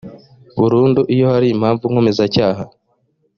burundu iyo hari impamvu nkomezacyaha